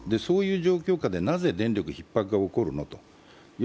そういう状況下で、なぜ電力ひっ迫が起こるのと。